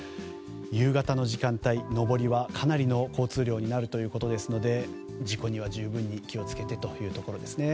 夕方の時間帯、上りはかなりの交通量になるということですので事故には十分に気を付けてというところですね。